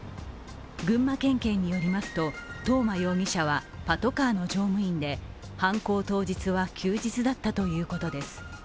群馬県警によりますと藤間容疑者はパトカーの乗務員で犯行当日は休日だったということです。